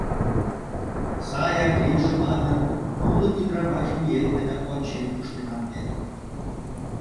— Саяк лийже манын, тулык ӱдырамаш вуем дене ончен куштенам вет.